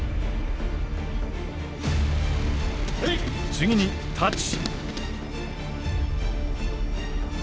次に太刀。